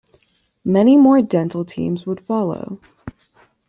Many more Dental teams would follow.